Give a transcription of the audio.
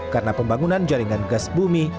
karena pembangunan jaringan gas bumi